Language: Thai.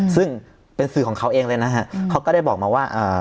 ซึ่งเป็นสื่อของเขาเองเลยนะฮะเขาก็ได้บอกมาว่าอ่า